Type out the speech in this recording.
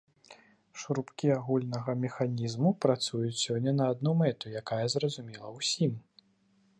Шрубкі агульнага механізму працуюць сёння на адну мэту, якая зразумелая ўсім.